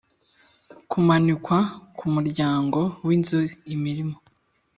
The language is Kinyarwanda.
Kumanikwa ku muryango w inzu imirimo